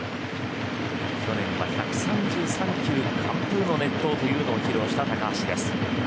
去年は１３３球で完封の熱投というのを披露した高橋です。